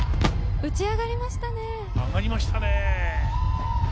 打ちあがりましたね。